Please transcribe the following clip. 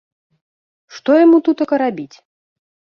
Што яму тутака рабіць?